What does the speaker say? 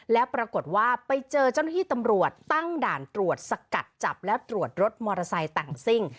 แล้วปรากฏว่าไปเจอเจ้าหน้าที่ตำรวจตั้งด่านตรวจสกัดจับและตรวจรถมอเตอร์ไซค์แต่งซิ่ง